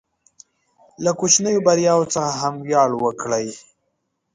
له کوچنیو بریاوو څخه هم ویاړ وکړئ.